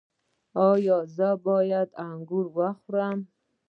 ایا زه باید انګور وخورم؟